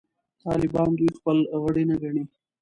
طالبان دوی خپل غړي نه ګڼي.